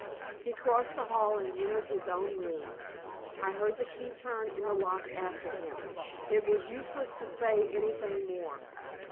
He crossed the hall and entered his own room. I heard the key turn in the lock after him. It was useless to say anything more.